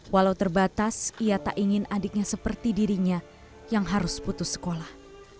walau terbatas ia tak ingin adiknya seperti dirinya yang harus putus sekolah